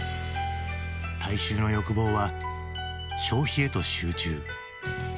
大衆の欲望は消費へと集中。